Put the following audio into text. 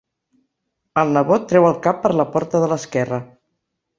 El nebot treu el cap per la porta de l'esquerra.